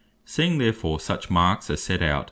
Seeing therefore such marks are set out (Deut.